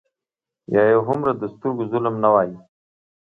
یا یې هومره د سترګو ظلم نه وای.